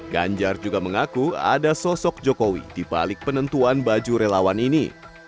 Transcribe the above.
ganjar juga mengaku ada sosok jokowi dibalik penentuan baju relawan ini